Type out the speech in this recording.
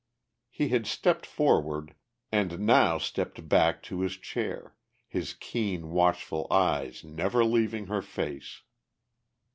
He had stepped forward and now stepped back to his chair, his keen, watchful eyes never leaving her face.